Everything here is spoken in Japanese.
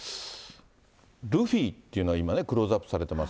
ルフィっていうのは今ね、クローズアップされてます。